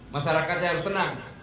masyarakatnya harus tenang